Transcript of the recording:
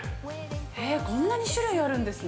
◆へぇ、こんなに種類あるんですね。